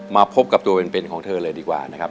มาพบกับตัวเป็นของเธอเลยดีกว่านะครับ